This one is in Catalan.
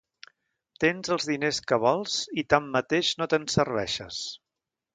Tens els diners que vols i tanmateix no te'n serveixes.